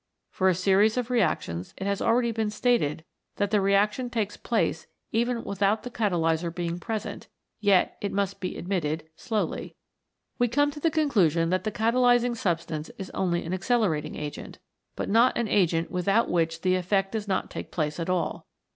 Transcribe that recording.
For a series of reactions it has already been stated that the reaction takes place even without the catalyser being present, yet, it must be admitted, slowly. We come to the conclusion that the catalysing substance is only an accelerating agent, but not an agent without which the effect does not take place at all.